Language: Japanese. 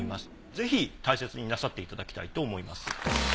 ぜひ大切になさっていただきたいと思います。